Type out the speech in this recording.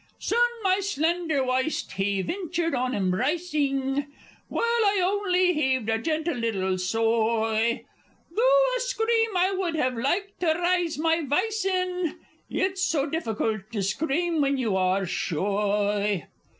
Soon my slender wyste he ventured on embrycing, While I only heaved a gentle little soy; Though a scream I would have liked to rise my vice in, It's so difficult to scream when you are shoy!